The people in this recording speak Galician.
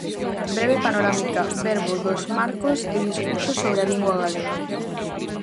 Breve panorámica verbo dos marcos e discursos sobre a lingua galega.